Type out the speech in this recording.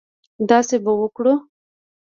داسې به وکړو.